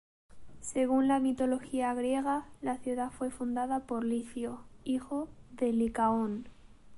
Según la mitología griega, la ciudad fue fundada por Licio, hijo de Licaón.